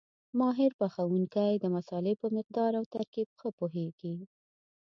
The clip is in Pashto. ماهر پخوونکی د مسالې په مقدار او ترکیب ښه پوهېږي.